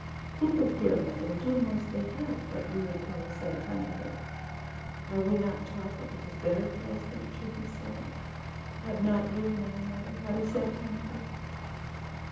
"People here, mother, do mostly have what you call a sad time of it. Are we not taught that it is better for us that it should be so? Have not you and I, mother, had a sad time of it?